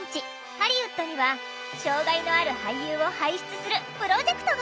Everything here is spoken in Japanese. ハリウッドには障害のある俳優を輩出するプロジェクトが！